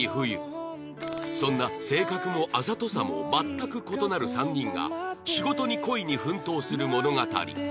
そんな性格もあざとさも全く異なる３人が仕事に恋に奮闘する物語